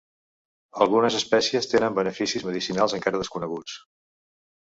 Algunes espècies tenen beneficis medicinals encara desconeguts.